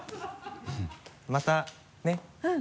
またねぇ？